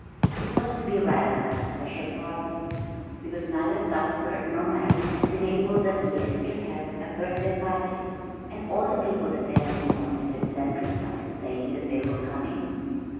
It was to be rather a special party, because neither Cuthbert nor Marian had been able that year to have a birthday party; and all the people that they had invited had sent replies saying that they were coming.